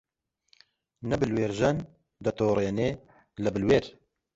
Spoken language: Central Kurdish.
نە بلوێرژەن دەتووڕێنێ لە بلوێر